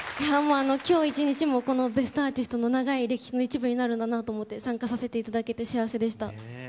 今日一日、この『ベストアーティスト』の長い歴史の一部になるんだなぁと思って、参加させていただけて幸せでした。